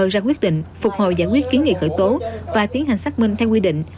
ra quyết định phục hồi giải quyết kiến nghị khởi tố và tiến hành xác minh theo quy định